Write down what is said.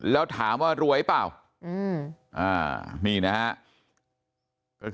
แล้วถามว่ารวยเปล่านี่นะฮะ